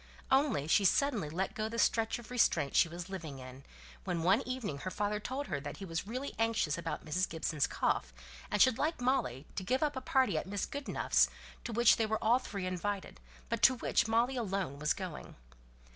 Only she suddenly let go the stretch of restraint she was living in, when one evening her father told her that he was really anxious about Mrs. Gibson's cough, and should like Molly to give up a party at Mrs. Goodenough's, to which they were all three invited, but to which Molly alone was going.